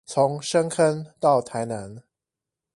從深坑到台南